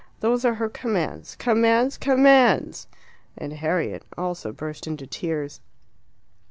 Those are her commands. Commands! COMMANDS!" And Harriet also burst into tears.